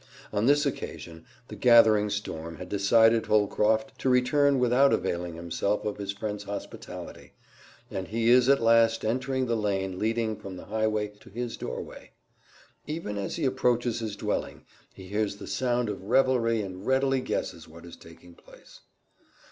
On this occasion the gathering storm had decided Holcroft to return without availing himself of his friend's hospitality, and he is at last entering the lane leading from the highway to his doorway. Even as he approaches his dwelling he hears the sound of revelry and readily guesses what is taking place.